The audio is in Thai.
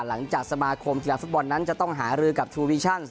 หลังจากสมาคมธีระฟุตบอลนั้นจะต้องหารือกับทรูวิชั่น